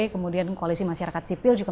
kemudian koalisi masyarakat sipil juga